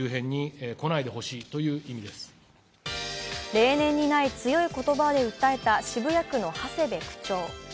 例年にない強い言葉で訴えた渋谷区の長谷部区長。